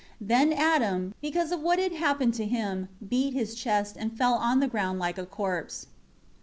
3 Then Adam, because of what had happened to him, beat his chest and fell on the ground like a corpse.